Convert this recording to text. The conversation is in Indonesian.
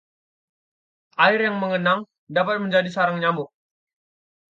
air yang menggenang dapat menjadi sarang nyamuk